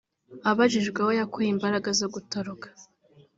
Abajijwe aho yakuye imbaraga zo gutoroka